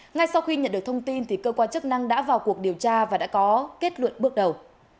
ngay sau khi nhận được thông tin cơ quan chức năng đã vào cuộc điều tra và đã có kết luận bước đầu